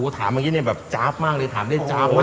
ถามเมื่อกี้เนี่ยแบบจ๊าบมากเลยถามได้จ๊าบมาก